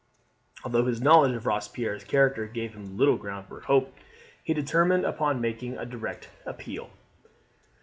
Although his knowledge of Robespierre's character gave him little ground for hope, he determined upon making a direct appeal.